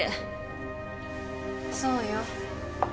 そうよ。